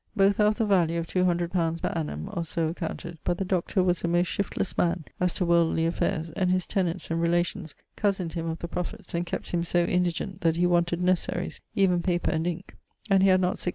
Both are of the value of two hundred pounds per annum (or so accounted); but the Doctor was a most shiftless man as to worldly affaires, and his tenants and relations cousin'd him of the profits and kept him so indigent that he wanted necessarys, even paper and inke, and he had not 6_d.